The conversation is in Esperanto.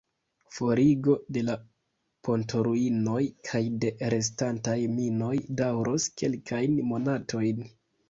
Forigo de la pontoruinoj kaj de restantaj minoj daŭros kelkajn monatojn.